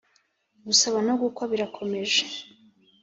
Gukwa nogusaba birakomeje